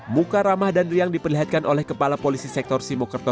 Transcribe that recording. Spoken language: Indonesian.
muka ramah dan riang diperlihatkan oleh kepala polisi sektor simokerto